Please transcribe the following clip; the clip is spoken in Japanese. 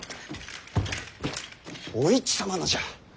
お市様のじゃ。